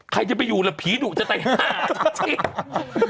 ใครจะไปอยู่แล้วผีดุตะไต่ห้้า